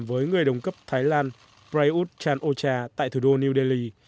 với người đồng cấp thái lan prayuth chan o cha tại thủ đô new delhi